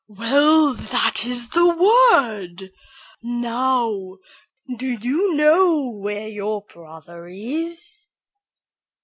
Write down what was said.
'" "Well, that is the word! Now, do you know where your brother is?"